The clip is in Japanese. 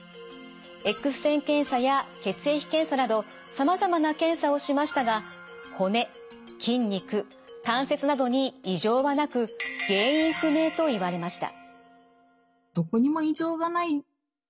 Ｘ線検査や血液検査などさまざまな検査をしましたが骨筋肉関節などに異常はなく原因不明と言われました。